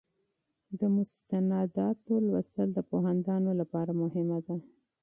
د مستنداتو مطالعه د پوهاندانو لپاره مهمه ده.